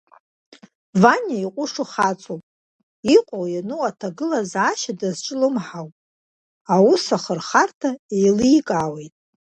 Ваниа иҟәышу хаҵоуп, иҟоу-иану аҭагылазаашьа дазҿлымҳауп, аус ахырхарҭа еиликаауеит.